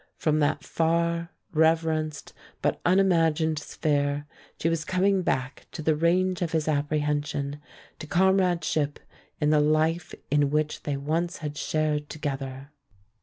From that far, reverenced, but unimagined sphere she was coming back to the range of his apprehension, to comradeship in the life which they once had shared together.